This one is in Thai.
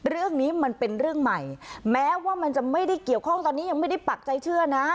เรื่องนี้มันเป็นเรื่องใหม่แม้ว่ามันจะไม่ได้เกี่ยวข้องตอนนี้ยังไม่ได้ปักใจเชื่อนะ